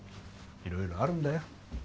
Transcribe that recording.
いろいろあるんだよ。